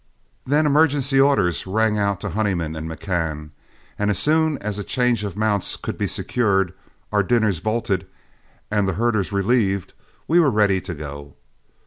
Then emergency orders rang out to Honeyman and McCann, and as soon as a change of mounts could be secured, our dinners bolted, and the herders relieved, we were ready to go.